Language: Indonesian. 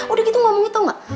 udah gitu ngomong itu tau gak